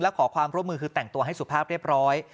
ขอความร่วมมือคือแต่งตัวให้สุภาพเรียบร้อย